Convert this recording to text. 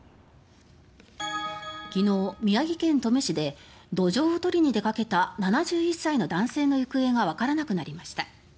昨日、宮城県登米市でドジョウを取りに出かけた７１歳の男性の行方がわからなくなりました。